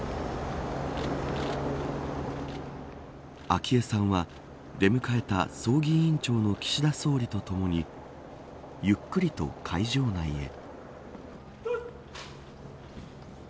昭恵さんは、出迎えた葬儀委員長の岸田総理とともにゆっくりと会場内へ。